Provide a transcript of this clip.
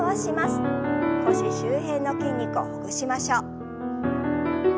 腰周辺の筋肉をほぐしましょう。